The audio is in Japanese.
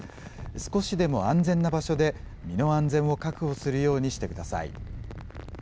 少しでも安全な場所で、身の安全を確保するようにしてください。